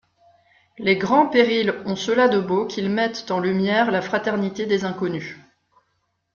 Les grands périls ont cela de beau qu'ils mettent en lumière la fraternité des inconnus.